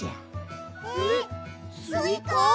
えっスイカ？